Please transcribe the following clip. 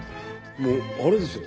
もうあれですよ。